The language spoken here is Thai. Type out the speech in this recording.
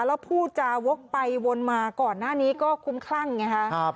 แล้วผู้จาวกไปวนมาก่อนหน้านี้ก็คุ้มคลั่งอย่างนี้ค่ะ